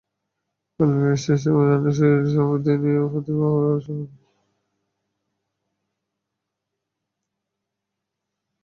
গল্পের সেই সময়ের মানুষে মানুষে সম্প্রীতি, দেশের প্রতি ভালোবাসা—ফরিদা সবই বহন করে।